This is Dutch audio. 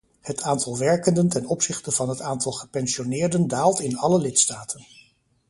Het aantal werkenden ten opzichte van het aantal gepensioneerden daalt in alle lidstaten.